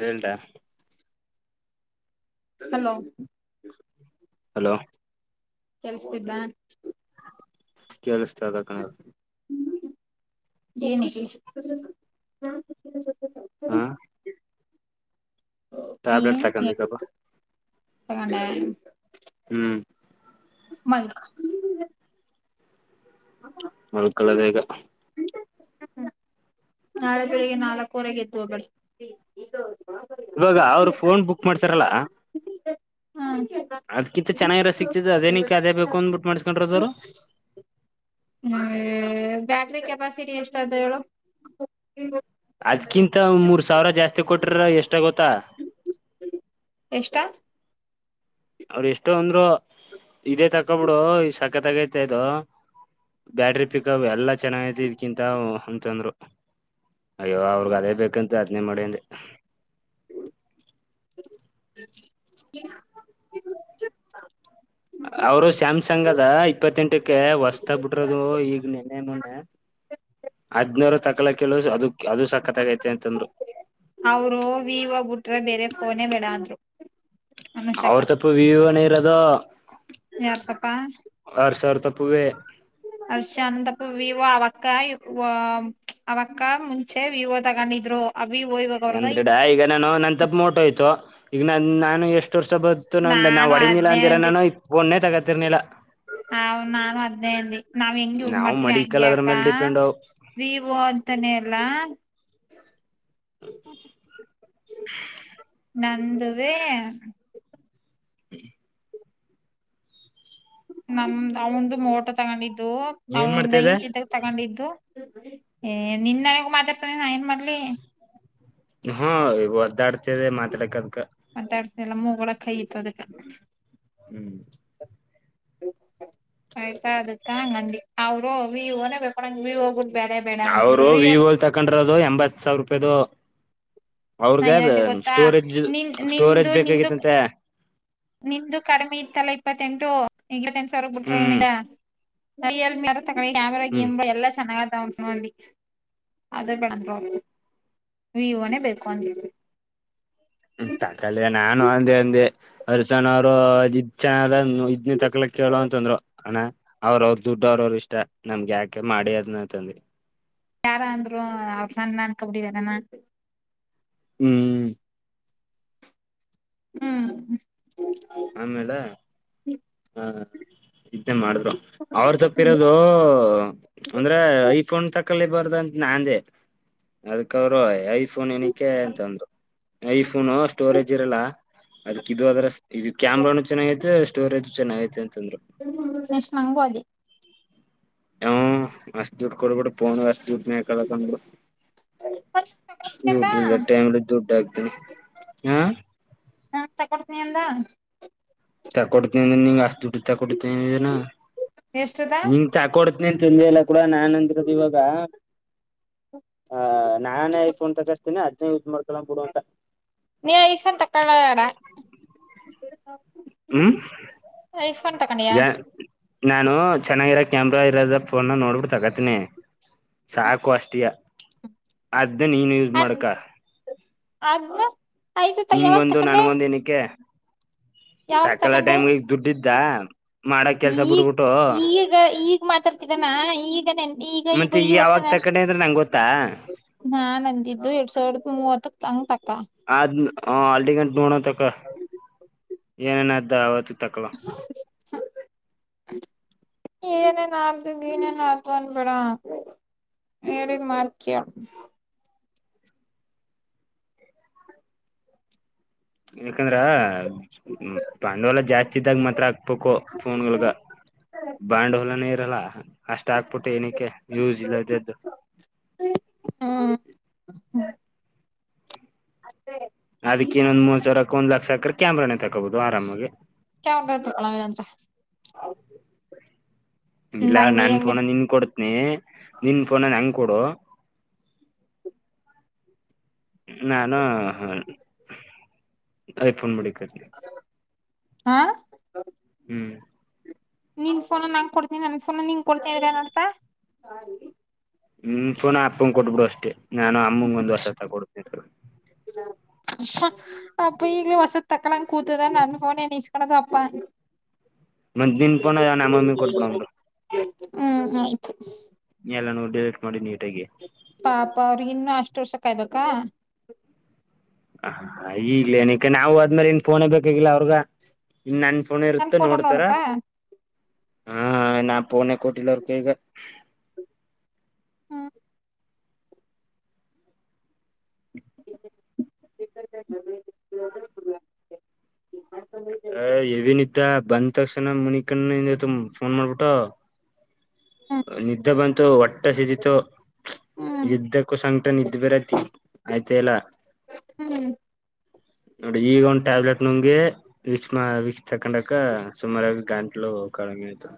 ಹೇಳ್ದಾ. Hello. Hello. ಕೆಲ್ಸತಿದ್ದ. ಕೇಳಸ್ತದ ಕಣ ಹೇಳು. [unintelligible] ಹಾ ಟ್ಯಾಬ್ಲೆಟ್ ತಾಕದಿಕಪ್ಪಾ ತಕೊಂಡ್ಯ. ಹ್ಞೂ ಮಲ್ಕೋ ಮಾಳ್ಕೋಳೋದೆ ಈಗ ನಾಳೆ ಬೆಳಿಗ್ಗೆ ನಾಲ್ಕವರೆಗೆ ಎದ್ದು ಹೋಗೋದು. ಬ್ರೋ ಇವಾಗ ಅವರು ಫೋನ್ ಬುಕ್ ಮಾಡಿಸ್ಯರಲಾ. ಹ್ಮ ಅದಕಿಂತ ಚೆನ್ನಾಗಿರೋ ಸಿಕ್ತಿದ ಅದೇನಕ್ ಅದೇ ಬೇಕು ಅಂದ ಬಿಟ್ಟು ಮಾಡಿಸ್ಕೊಂಡಿರೋದು ಅವ್ರು. ಹ್ಮ ಬ್ಯಾಟ್ರಿ ಕೆಪಾಸಿಟಿ ಎಷ್ಟ ಅದೇ ಹೇಳು. ಅದ್ಕಿಂತ ಮೂರ್ ಸಾವಿರ ಜಾಸ್ತಿ ಕೊಟ್ರ ಎಷ್ಟ ಆಗೋತ್ತಾ. ಎಷ್ಟಾ. ಅವರು ಎಷ್ಟೋ ಅಂದ್ರು ಇದೇ ತಕೊಬಿಡು ಈ ಸಕತ್ಗೈತ ಇದು. ಬ್ಯಾಟ್ರಿ ಪಿಕಪ್ ಎಲ್ಲಾ ಚೆನ್ನಾಗೈತಿ ಇದ್ಕಿಂತ ಅಂತಂದ್ರು. ಅಯ್ಯೋ ಅವ್ರಗ್ ಅದೇ ಬೇಕಂತ ಅದನೇ ಮಾಡಿ ಅಂದೇ. [unintelligible] ಅವರು ಸ್ಯಾಮ್ಸಂಗ್ ಅದ ಇಪ್ಪತ್ತೆಂಟಕ್ಕೆ ಹೊಸ್ತ ಬಿಡ್ರದು ಈಗ ನೆನ್ನೆ ಮೊನ್ನೆ. ಹದ್ನೂರು ತಕ್ಕಲಕ್ ಹೇಳು ಅದಕ್ ಅದು ಸಕ್ಕತ್ತಾಗೈತೆ ಅಂತಂದ್ರು. ಅವರು ವಿವೋ ಬಿಟ್ರೆ ಬೇರೆ ಫೋನೇ ಬೇಡ ಅಂದ್ರು ಅನುಷಕ ಅವ್ರ ತಪ್ಪು ವಿವೊನ್ ಇರೋದು. ಯಾರತಪ್ಪ. ಅವ್ರ ಸಾವಿರ ತಪ್ಪುವೇ ಅಂತಪ್ಪ ವಿವೋ ಅವಕ್ಕ ಅವಕ್ಕ ಮುಂಚೆ ವಿವೋ ತಗೊಂಡಿದ್ರು ಅ ವಿವೊ ಈವಾಗ ಅಂದ್ರೆಡ ಈಗ ನಾನು ನನ್ ತಪ್ಪ ಮೋಟೋ ಇತ್ತು ಈಗ ನಾನು ಎಷ್ಟು ವರ್ಷ. ಇ ನ ನಾ ನಾನು ಹೊಡಿನಿಲ್ಲ ಅದ್ನೇ ಅಂದಿರ ನಾನು ಫೋನೇ ತಗೋತಿರ್ನಿಲ್ಲ. ಹ ನಾನು ಅದ್ನೇ ಅಂದಿ ನಾವ್ ಹೆಂಗ್ ಯೂಸ್ ನಾವು ಮಾಡ್ತೀವಿ ಮಡಿಕಲ್ ಹಂಗೆ ಅದ್ರ ಅಕ್ಕಾ. ಮೇಲೆ ಡಿಪೆಂಡ್ ವಿವೋ ಅಂತಾನೇ ಎಲ್ಲ. ನಂದುವೆ. ಹ್ಮ ನಮ್ದ್ ಅವಂದು ಮೋಟೋ ತಗೊಂಡಿದ್ದು ಅವ ಏನ್ ಮಾಡ್ತಿದೆ ನೈನ್ತ್ ತಗೊಂಡಿದ್ದು ಏ [inaudible] ಮಾತಾಡ್ತೇನೆ ನಾ ಏನ್ ಮಾಡ್ಲಿ. ಹಾ ಒದ್ದಾ ಆಡ್ತಿದೆ ಮಾತಾಡಕದಕ. ಮಾತಡ್ತೀನಿ ಎಲ್ಲ ಮೂಗೊಳಗ್ ಕೈ ಇತ್ತು ಅದಕ್ಕೆ. ಹ್ಮ್ ಆಯ್ತಾ ಅದಕ್ಕ ಹಂಗಂದ ಅವರು ವಿವನೇ [unintelligible] ಬೇರೆ ಬೇಡ ಅಂತಂದರು ರಿಯಲ್. ಕೊಂಡರದು ಎಂಬತ್ ಸಾವಿರ ರೂಪಾಯದು. ನಾ ಅವ್ರಗ ಏನಂದೆ ಗೊತ್ತಾ ಸ್ಟೋರೇಜ್ ನಿನ್ ಸ್ಟೋರೇಜ್ ನಿಂದು ನಿಂದು ಬೇಕಾಗಿತ್ತಂತೆ. ನಿಂದು ಕಡಿಮೆ ಇತ್ತಲ್ಲಾ ಇಪ್ಪತ್ತೆಂಟು ಸಾವಿರ ಹ್ಮ್ ಬಿಟ್ರಲ್. ತ ಕ್ಯಾಮರಾ ಹ್ಮ್ ಗೇಮ್ ಎಲ್ಲ ಚೆನ್ನಾಗ ಅದವಂತ್ ನೋಡ್ರಿ ಅದೇ ಕಣೊ ಪ್ರಾಬ್ಲಮ್ ವಿವೋನೇ ಬೇಕು ಅಂತಿದ ತಕ್ಕಾಲ ನಾನು ಅಂದ ಅಂದಿ ಅರ್ ಜನ ಅವ್ರು ಇದ್ ಚನದ ಇದ್ನ ತಕ್ಲಕ್ ಕೇಳ ಅಂತಂದ್ರು ಅಣಾ ಅವ್ರ ಅವ್ರ ದುಡ್ಡು ಅವ್ರ ಅವರು ಇಷ್ಟ ನಮ್ಗೆ ಯಾಕೆ ಮಾಡಿ ಅದನ್ನಂತಂದಿ ಯಾರ ಅಂದರು ಅವಂಡ್ ನಾನು ಕಬುಡಿ ವರ ನ ಹ್ಮ್ ಹ್ಮ್ ಆಮೇಲೆ ಆ ಇದೇ ನಿಂದೇ ಮಾಡಿದ್ದು ಅವ್ರ ತಪ್ಪಿರೋದು ಅಂದ್ರೆ ಐಫೋನ್ ತಕಲಿ ಬಾರ್ದಂತ ನಾನಂದೇ ಅದಕ್ಕೆ ಅವರು ಐ [unintelligible] ಫೋನ್ ಏನಕ್ಕೆ ಅಂತಂದ್ರು ಐಫೋನು ಸ್ಟೋರೇಜ್ ಇರಲ್ಲ ಅದಕ್ ಇದು ಅದ್ರ ಇದು ಕ್ಯಾಮ್ರಾನು ಚೆನ್ನಾಗೈತೆ ಸ್ಟೋರೇಜು ಚೆನ್ನಾಗೈತೆ ಅಂತಂದ್ರೆ ನೆಕಷ್ಟು ನಂಗು ಅದೇ ಹ ಅಷ್ಟ ದುಡ್ ಕೊಡ್ಬಿಟ್ಟ ಪೋನು ಅಷ್ಟದುಡ್ ಮ ಕಳಕು ತಕೊಡ್ತನಿಂದ ದುಡ್ ಇಲ್ ಟೈಮ್ ದುಡ್ಡ ಆಗ್ತನ ಹಾ ನಾ ತಗೊಡ್ತೀನಿ ಅಂದಾ ತಕೊಡ್ತಿ ನೀ ಅಷ್ಟಡ್ ತಕೊತಿನ ಎಷ್ಟದಾ ಚಾಕೋಡತ್ನಿ ಅಂತಂದ ಎಲ್ಲ ಕೂಡ ನಾನ್ ಅಂದಿರೋದು ಇವಾಗ ಆ ನಾನೇ ಐಫೋನ್ ತಗತಿನಿ ಅದನೆ ಯೂಸ್ ಮಾಡ್ಕೊಕ್ ಬಿಡುವಂತ ನೀ ಐಸನ್ ತಕ್ಕಳಡ ಹ್ಮ್ ಐಫೋನ್ ತಕೊಂಡಿಯಾ ಯ ನಾನು ಚೆನ್ನಾಗಿರೋ ಕ್ಯಾಮ್ರಾ ಇರೋದ ಫೋನನ್ನ ನೋಡ್ಬಿಟ್ಟು ತಗೋತೀನಿ ಸಾಕು ಅಷ್ಟಿಯ ಅದ ನೀನು ಯೂಸ್ ಅದು ಮಾಡ್ಕ [unintelligible] ನಿಂಗಗೊಂದು ನನ್ಗೊಂದು ಏನಕ್ಕೆ ಯಾವಾಗ ತಕಲ ತಕೊಂಡೆ ಟೈಮ್ಗೆ ಈಗ ದುಡ್ಡ್ ಇತ್ ಮಾಡಕ್ ಕೆಲ್ಸ ಈಗ ಬಿಡ್ಬಿಟ್ಟು ಈಗ ಈಗ ಮಾತಾಡ್ತಿದ್ದಾನ ಈಗ ನೆನ್ ಇ ಮತ್ತೆ ಈ ಈಗ ವರ್ಷ ಯಾವಾಗ ಅಷ್ಟ ತಕೋಂಡೆ ಅಂದ್ರೆ ನಂಗೆ ಗೊತ್ತಾ ನಾನ್ ನಂದಿದ್ದು ಎರಡ್ ಸಾವಿರದ ಮೂವತ್ತಕ್ ಬಂದ ತಕ್ಕ ಆದ್ ಅಲ್ಲಿ ಗಂಟ್ ನೋಡೋ ತಕ ಏನೇನ್ದ ಅವತ್ತಿಗೆ ತಕೊಳ ಏನೇನ್ ಅತ್ ನೀನೇನ್ ಅತ್ ಅನ್ ಬೇಡ ಹೇಳಿದ ಮಾತ್ ಕೇಳ ಯಕಂದ್ರ ಪಾಂಡವಲ್ಲ ಜಾಸ್ತಿ ಇದ್ದಾಗ ಮಾತ್ರ ಹಾಕ್ಬೇಕು ಫೊನ್ವಳ್ಗ. ಪಾಂಡ ಹೊಲನೀರಲ್ಲ ಅಷ್ಟ ಹಾಕ್ಬಿಟ್ಟು ಏನಕ್ಕೆ ಯೂಸ್ ಇಲ್ಲ ಇದದ್ದು. ಹ್ಮ ಅದೆ. ಅದಕ್ಕ ಇನ್ನೊಂದ ಮೂರಸಾವಿರಕ್ಕಂದ ಲಕ್ಷ ಸಾಕ್ರ ಕ್ಯಾಮ್ರಾನೆ ತಕೋಬಹುದು ಆರಾಮಾಗಿ. ಕ್ಯಾಮೆರಾ ತಗೋ [unintelligible] ಆದ್ರ. ಇಲ್ಲ ನಂಗ ನೀ ನನ್ ಹಂಗೆ ಫೋನ ನಿನ್ ಕೊಡ್ತನಿ ನಿನ್ ಫೋನ ನಂಗ ಕೊಡು. ನಾನು ಐಫೋನ್ ಮಾಡಿಕತನಿ. ಹಾ ಹ್ಮ್ ನಿನ್ ಫೋನ್ ನಂಗ ಕೊಡ್ತೀನಿ ನನ್ ಫೋನ್ ನಿಂಗ ಕೊಡ್ತಿದ್ರೆ ಏನರ್ತಾ. ನಿನ್ ಫೋನು ಅಪ್ಪಂಗ ಕೊಟ್ಬಿಡು ಅಷ್ಟೇ ನಾನು ಅಮ್ಮಂಗ ಒಂದ ಹೊಸ ತಗೊಂಡ್ತೀನಿ. ಷ [unintelligible] ಅಪ್ಪ ಈಗ್ಲೇ ಹೊಸ ತಕ್ಕಳಂಗ ಕೂತದ ನನ್ ಫೋನೆನ್ ಇಸ್ಕೊಡದ ಅಪ್ಪಾ. ಮತ್ತ ನಿನ್ ಪೋನ್ ನಮಮ್ಮಿಗ ಕೊಟ್ಬಿಡು ಅಂದುರ. ಹ್ಮ್ ಆಯ್ತು. ಎಲ್ಲನು ಡಿಲೀಟ್ ಮಾಡಿ ನೀಟಾಗಿ. ಪಾಪ ಅವ್ರಿಗ ಇನ್ನು ಅಷ್ಟು ವರ್ಷ ಕಾಯ್ಬೇಕಾ. ಹ ಈಗ್ಲೇ ನಿಖನ ನಾವು ಹೋದ್ಮೇಲೆ ಇನ್ ಫೋನೇ ಬೇಕಾಗಿಲ್ಲ ಅವ್ರಗ. ಇನ್ ನನ್ ಫೋನ್ ನನ್ ಇರುತ್ತ ಫೋಟೋ ನೋಡ್ತರ ನೋಡ್ತಾ ಹ ನಾ ಫೋನೆ ಕೊಟ್ಟಿಲ್ಲ ಅವ್ರ್ ಕೈಗಾ. ಹ್ಮ್ [unintelligible] ಅ ಹೆವಿ ನಿದ್ದೆ ಬಂದ್ ತಕ್ಷಣ ಮುನಿಕಣ್ಣಿಂದತ್ತು ಫೋನ್ ಮಾಡ್ಬಿಟ್ಟು. ಹ್ಮ್ ನಿದ್ದೆ ಬಂತು ಹೊಟ್ಟೆ ಹಸದಿತು ಹ್ಮ್ ಎದ್ದಕ್ಕೂ ಸಂಕಟ ನಿದ್ದೆ ಬರತಿ [unintelligible] ಆಯ್ತ ಇಲ್ಲ. ಹ್ಮ್ ನೋಡಿ ಈಗ ಒಂದ್ ಟ್ಯಾಬ್ಲೆಟ್ ನುಂಗಿ. ವೀಕ್ಷ್ಮ ವೀಕ್ಷ ತಕ್ಕೊಂಡಕ್ಕ ಸುಮಾರು ಗಂಟ್ಲೂ ಕಡಿಮೆ ಆಯ್ತು.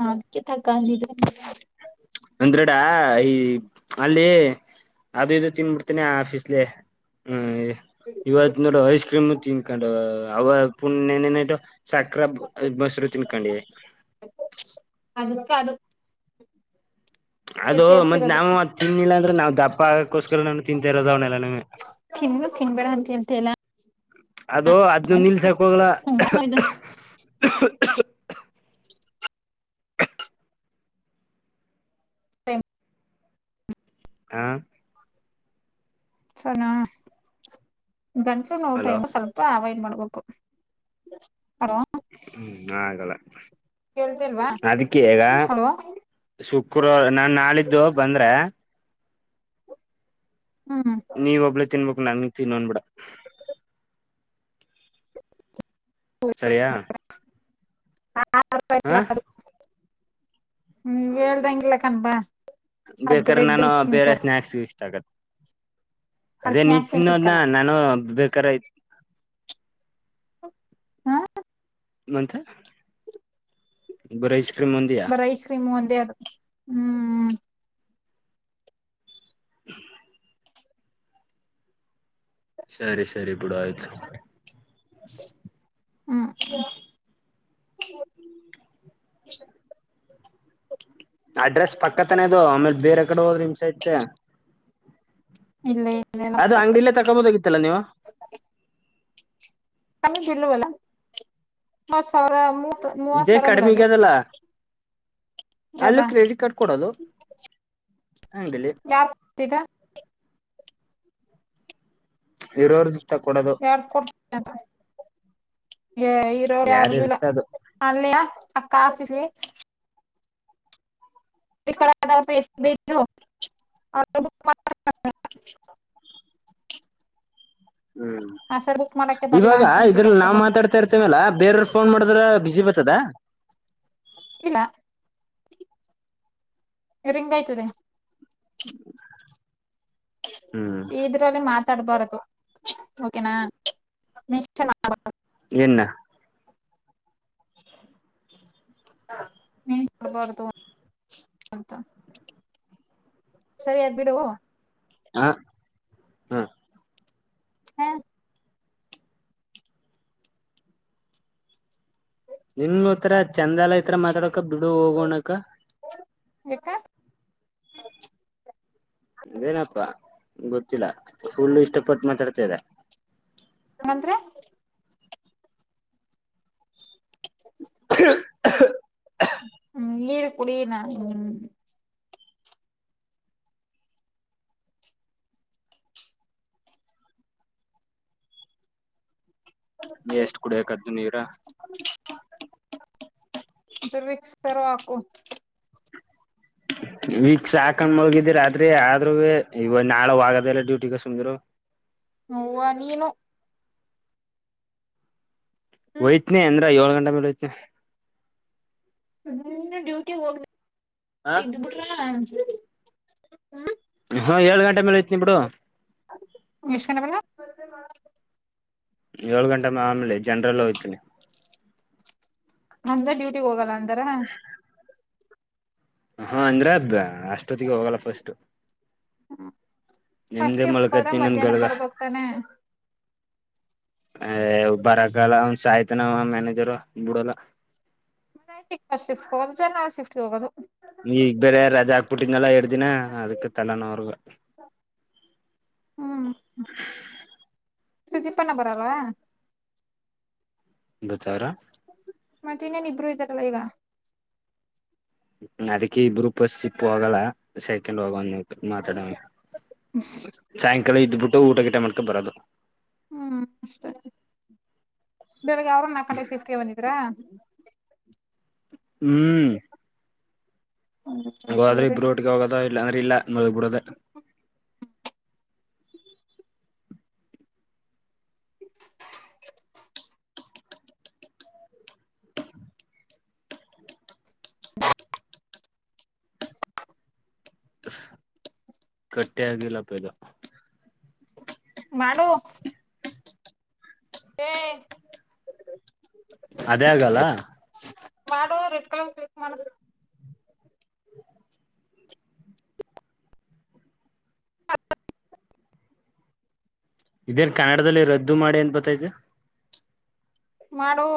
ಹ ಅದಕ್ಕೆ ತಕ್ಕಂದಿದ್ದೇ ಒಂದೆಡ್ರ ಐ ಅಲ್ಲಿ. ಅದು ಇದು ತಿನ್ಬಿಡ್ತೀನಿ ಆಫೀಸ್ಲೆ ಹ್ಮ್. ಇವತ್ ನೋಡ ಐಸ್ ಕ್ರೀಮ್ ತಿನ್ಕೊಂಡ ಅವ ಪುನ್ ನಿನ್ನೆ ನೈಟು ಸಕ್ರ ಬು ಬಸ್ರು ತಿನ್ಕೊಂಡಿವಿ. ಅದಕ್ಕ ಅದು ಅದು ಮತ್ ತೇರ್ಸಿರೋದು ನಾವು ಅದು ತಿನ್ನಿಲ್ಲ ಅಂದ್ರ ನಾವು ದಪ್ಪ ಆಗಕೋಸ್ಕರ ನಾನು ತಿಂತಾ ಇರೋದು ಅವ್ನೆಲ್ಲಾನುವೆ. ತಿನ್ನು ತಿನ್ಬೇಡ ಅಂತ ಹೇಳ್ತಾ ಇಲ್ಲ. ಅದು ಅದ್ನ್ ನಿಲ್ಸಕ ಹೋಗ್ಲ. ಟೈಮ್. ಹಾ ಸನ ಗಂಟ್ಲು ನೋವ್ ಹಲೋ ಟೈಮು ಸ್ಪಲ್ಪ. ಲ್ಪ ಅವಾಯ್ಡ್ ಮಾಡ್ಬೇಕು ಪರೋ ಹ್ಮ್ ಆಗಲ್ಲ ಕೇಳ್ತಿಲ್ವಾ ಅದಕ್ಕೆ ಈಗ. ಹಲೋ ಶುಕ್ರವಾರ ನಾನ್ ನಾಳಿದ್ದು ಬಂದ್ರೆ. ಹ್ಮ್ ನೀ ಒಬ್ಳೇ ತಿನ್ಬೇಕ್ ನನ್ ತಿನ್ನ ಅನ್ಬೇಡ. ಸರಿಯಾ ಹ [unintelligible] [unintelligible] ಹೇಳಳ್ದಂಗ ಎಲ್ಲಿ ಹಾಕನ ಬಾ. ಬೇಕಾದ್ರೆ ನಾನು ಬೇರೆ ಸ್ನಾಯಕ್ಸ ಇಷ್ಟ ಆಗತ್ತೆ. ಅಲ್ಲಿ ಅದೇ ನೀ ಸ್ನಾಕ್ಸ್ ಏನ್ ತಿನ್ನೋ ಅದ್ನ ಸಿಕ್ಕಲ್ಲ ನಾನು ಬೇಕಾರೆ. ಹಾ ಮತ್ತೆ ಬರೆ ಐಸ್ ಕ್ರೀಮ ಒಂದೆಯಾ. ಸಿಮ್ ಒಂದೆ ಅದು ಹು. [inaudible] ಸರಿ ಸರಿ ಬಿಡ ಆಯ್ತು. ಹು ಅಡ್ರೆಸ್ ಪಕ್ಕತಾನೆ ಇದು ಆಮೇಲೆ ಬೇರೆ ಕಡೆ ಹೋದ್ರೆ ಹಿಂಸೆ ಐತೆ. ಇಲ್ಲ ಇಲ್ಲ ನಮ್ಮ ಅದು ಪಕ್ಕ ಅಂಗಡಿಲ್ಲೇ ತಕೊಬೋದಾಗಿತ್ತಲ್ಲಾ ನೀವು ಆಮೇ ಬಿಲ್ಲ ಬಲ್ಲ ಮ ಸರ [unintelligible] ಇದೇ ಕಡಿಮೆಗ ಅದಲ್ಲ ಅಲ್ಲ ಯಾವ್ದ ಕ್ರೆಡಿಟ್ ಕಾರ್ಡ್ ಕೊಡದು ಅಂಗಡಿಲಿ ಯಾರ್ [unintelligible] ತಿಗ ಇರೋರ್ ಯಾರ್ ಕೊಡ್ತ ಇರ ಏ ಯಾರ ಇರೋರಾರ್ಗು ಇಲ್ಲ ಇರ್ತ ಅದು ಅಲ್ಲಿಯ ಆ ಕಾಫಿಗೆ ಎಷ್ಟ [unintelligible] ಎಷ್ಟ [unintelligible] ಹು ಆ ಸರ್ ಬುಕ್ ಮಾಡಕ್ಕೆ ಬರ್ಲಾ ಇವಾಗ ಅಂತಂದಿರೋ ಇದ್ರಲ್ಲಿ ರೊಕ್ಕ ನಾ ಬಂದ್ಬಿಟ್ಟು ಮಾತಾಡ್ತಾ ಇರ್ತೀ. [unintelligible] ಬೇರವ್ರ ಫೋನ್ ಮಾಡಿದ್ರ ಬಿಜಿ ಬರ್ತದಾ. ಇಲ್ಲ ರಿಂಗ್ ಆಯ್ತದೆ. ಹ್ಮ್ ಇದ್ರಲ್ಲಿ ಮಾತಾಡ್ಬಾರದು ಒಕೆ ನಾ [unintelligible] ಏನ [unintelligible] ಬಾರದ [unintelligible] ಅಂತ ಸರಿ ಅದು ಬಿಡು. ಹಾ ಹಾ ನಿಮ್ ಒಂತರ ಚಂದಾ ಲಯ ತರ ಮಾತಾಡಕ ಬಿಡು ಹೋಗೋಣಕ. ಯಾಕ್ಕ ಅದೆನಪ್ಪಾ ಗೊತ್ತಿಲ್ಲ ಫುಲ್ ಇಷ್ಟಪಟ್ಟು ಮಾತಾಡ್ತವೆ. ಅಂದರೆ [unintelligible] ಹು ‌ನೀರ್ ಕುಡಿನ ಹು ನೀ ಎಷ್ಟ್ ಕುಡಿಬೇಕ ಅಂತಿ ನೀರ. [unintelligible] ಪೆರೊ ಹಾಕೂ ವೀಕ್ಸ್ ಹಾಕಂಡ್ ಮಲಗಿದೆ ರಾತ್ರಿ ಆದ್ರೂವೆ ಇವಾಗ ನಾಳೆ ಹೋಗದಲ್ಲ ಡ್ಯೂಟಿಗೆ ಸುಮ್ಮಿರ. ಅವ್ವ ನೀನು. ಹೋಯ್ತನಿ ಅಂದ್ರ ಏಳ್ ಗಂಟ ಮೇಲೆ ಹೋಯ್ತೆನೆ. ಡ್ಯೂಟಿ ಹೋಗದ ಇದ್ ಬಿಟ್ರ ಹ. ಹಾ ಏಳ್ ಗಂಟೆ ಮೇಲೆ ಹೋಯ್ತನಿ ಬಿಡು. [unintelligible] ಬಲ್ಲ. [unintelligible] ಏಳು ಗಂಟೆ ಆಮೇಲೆ ಜನರಲ್ ಹೋಯ್ತನಿ. ಹಂಗ ಡ್ಯೂಟಿಗ್ ಹೋಗಲ್ಲ ಅಂತಾರ. ಹಾ, ಅಂದ್ರ ದ ಅಷ್ಟೊತ್ತಿಗೆ ಹೋಗಲ್ಲ ಫಸ್ಟ್ ಫಸ್ಟ್ ನೆಮ್ಮದಿ ಆಗಿ ಶಿಫ್ಟ್ ಹೋದ್ರ ಮಲ್ಕತ್ತೆನಿ ಒಂದ ಮಧ್ಯಾಹ್ನಕ್ ಗಳಿಗ ಬರ್ಬೇಕ್ ತಾನೆ ಏಯ್ ಬರಕ್ಕಾಗಲ್ಲ ಅವನ ಸಾಯ್ತನ ಅವ ಮ್ಯಾನೇಜರ್ ಬುಡಲ್ಲಾ. ಮ ಶಿಫ್ಟ್ [unintelligible] ಜನರಲ್ ಶಿಫ್ಟ್ ಗೆ ಹೋಗೋದು. ಈ ಈಗ ಬೇರೆ ರಜಾ ಹಾಕ್ಬಿಟ್ಟಿಂದಲ್ಲ ಎರಡ್ ದಿನ ಅದಕ್ಕೆ ತಲೆನೋ ಅವ್ರ ಹ್ಮ್, ಪ್ರದಿಪ್ಪನ್ನ ಬರಲ್ಲಾ ದಚರ [inaudible] ಮತ್ತೆ ಇನ್ನೇನ್ ಇಬ್ರು ಇದ್ದಾರಲ್ಲ ಈಗ. ಅದಕ್ಕೆ ಈ ಬ್ರರುೂ [unintelligible] ಪ್ಸ್ ಚಿಪ್ಪ ಹೋಗಲ್ಲ ಸೆಕೆಂಡ್ ಹೋಗ ಮಾತಾಡ ಸಾಯಂಕಾಲ ಇದ್ದಬಿಟ್ಟು ಊಟ- ಗಿಟ ಮಾಡ್ಕಂಡ ಬರೋದು. ಹ್ಮ್, ಅಷ್ಟ ಬೆಳಗ್ಗೆ ಅವ್ರ ನಾಕಗಂಟೆ ಸಿಫ್ಟಿಗೆ ಬಂದಿದ್ರಾ ಹ್ಮಞೂ [inaudible] ಹ್ಮ್ ಹೋಗೋದ್ರೆ ದೇವ್ರೇ ಇಬ್ರು ಒಟ್ಟಿಗೆ ಹೋಗೋದ ಇಲ್ಲ ಅಂದ್ರ ಇಲ್ಲ ನ ಮಲಗ್ ಬಿಡೋದೇ. [inaudible] ಕಟ್ಟೆ ಆಗಿಲ್ಲಪ್ಪ ಇದು. ಮಾಡು ಏಯ್ - ಅದೇ ಆಗಲ್ಲಾ ಮಾಡು ರೆಡ್ ಕಲರ್ ಕ್ಲಿಕ್ ಮಾಡು. ಇದೇನ್ ಕನ್ನಡದಲ್ಲಿ ರದ್ದು ಮಾಡಿ ಅಂತ ಬರತೈತೆ. ಮಾಡು